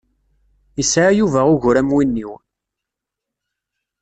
Yesɛa Yuba ugur am win-iw.